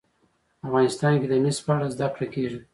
افغانستان کې د مس په اړه زده کړه کېږي.